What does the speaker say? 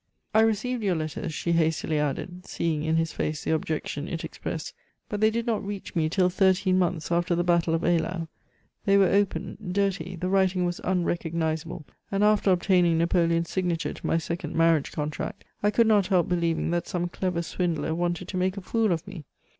I received your letters," she hastily added, seeing in his face the objection it expressed, "but they did not reach me till thirteen months after the battle of Eylau. They were opened, dirty, the writing was unrecognizable; and after obtaining Napoleon's signature to my second marriage contract, I could not help believing that some clever swindler wanted to make a fool of me.